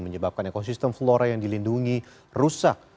menyebabkan ekosistem flora yang dilindungi rusak